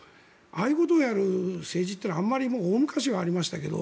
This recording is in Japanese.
ああいうことをやる政治というのはあまり大昔はありましたけど。